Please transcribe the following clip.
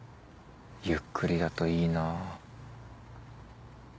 ゆっくりだといいなぁ。